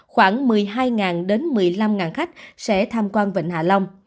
khoảng một mươi hai đến một mươi năm khách sẽ tham quan vịnh hạ long